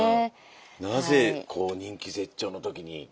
なぜ人気絶頂の時に？